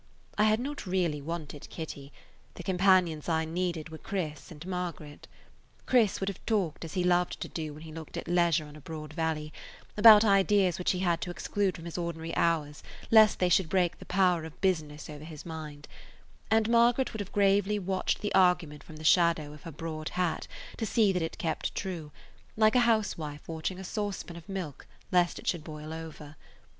I had not [Page 124] really wanted Kitty; the companions I needed were Chris and Margaret. Chris would have talked, as he loved to do when he looked at leisure on a broad valley, about ideas which he had to exclude from his ordinary hours lest they should break the power of business over his mind, and Margaret would have gravely watched the argument from the shadow of her broad hat to see that it kept true, like a housewife watching a saucepan of milk lest it should boil over.